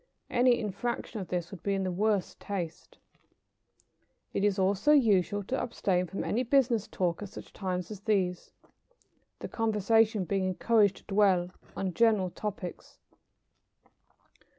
Any infraction of this would be in the worst taste. It is also usual to abstain from any business talk at such times as these, the conversation being encouraged to dwell on general topics.